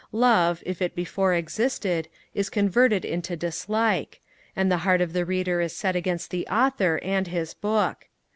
Love, if it before existed, is converted into dislike; and the heart of the Reader is set against the Author and his book.